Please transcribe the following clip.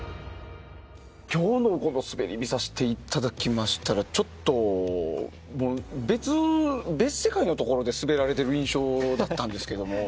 今日の滑り見させていただきましたらちょっと別世界のところで滑られてる印象だった。